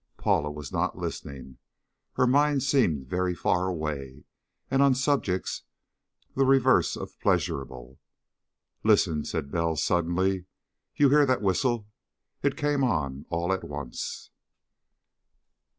Paula was not listening. Her mind seemed very far away, and on subjects the reverse of pleasurable. "Listen!" said Bell suddenly. "You hear that whistle? It came on all at once!"